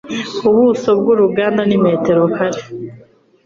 Ubuso bwuruganda ni metero kare.